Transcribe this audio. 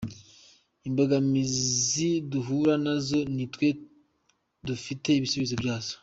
Imbogamizi duhura na zo nitwe dufite ibisubizo byabyo.